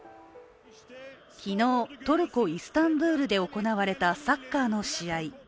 昨日、トルコ・イスタンブールで行われたサッカーの試合。